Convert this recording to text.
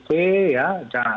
dari hasil survei ya